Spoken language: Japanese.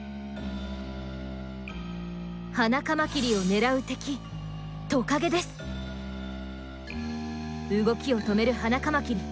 ハナカマキリを狙う敵動きを止めるハナカマキリ。